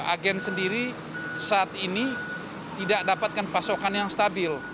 agen sendiri saat ini tidak dapatkan pasokan yang stabil